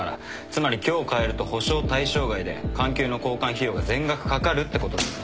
つまり今日かえると保障対象外で管球の交換費用が全額かかるってことですね。